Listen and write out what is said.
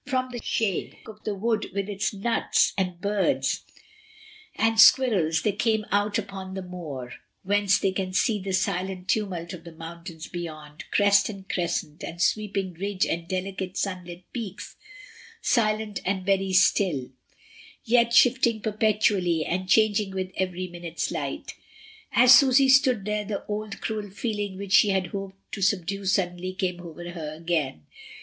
From the shade of the wood, with its nuts and 156 MRS. DYMOND. birds and squirrels, they come out upon the moor, whence they can see the silent tumult of the moun tains beyond, crest and crescent, and sweeping ridge and delicate sunlit peaks silent and very still, yet shifting perpetually and changing with every minute's light As Susy stood there the old cruel feeling which she had hoped to subdue suddenly came over her again.